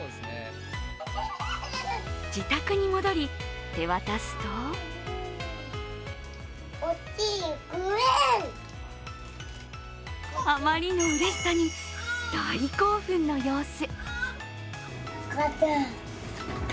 自宅に戻り手渡すとあまりのうれしさに大興奮の様子。